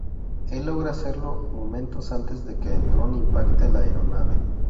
Él logra hacerlo momentos antes de que el dron impacte la aeronave.